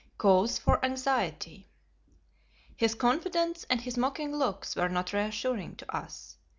Cause for Anxiety. His confidence and his mocking looks were not reassuring to us.